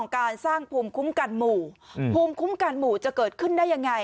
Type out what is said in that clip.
การสร้างภูมิคุ้มกันหมู่ภูมิคุ้มกันหมู่จะเกิดขึ้นได้ยังไง